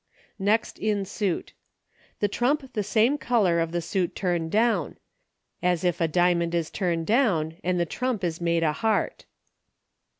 Next in Suit. The trump the same color of the suit turned down — as if a diamond is turned down and the trump is made a heart.